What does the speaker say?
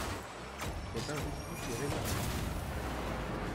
Cette injustice est réparée.